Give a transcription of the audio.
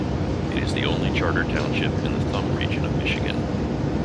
It is the only charter township in the Thumb region of Michigan.